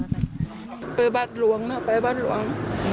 อื่มเดี๋ยวไปบ๊าดหลวง